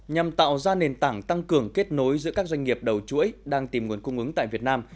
nhằm tạo ra nền tảng tăng cường kết nối giữa các doanh nghiệp đầu chuỗi đang tìm nguồn cung ứng tại việt nam